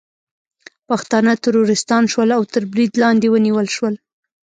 پښتانه ترورستان شول او تر برید لاندې ونیول شول